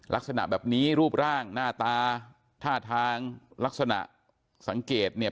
ลักษณะแบบนี้รูปร่างหน้าตาท่าทางลักษณะสังเกตเนี่ย